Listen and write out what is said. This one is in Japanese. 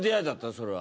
それは。